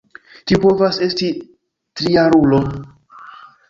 Tiu povas esti trijarulo.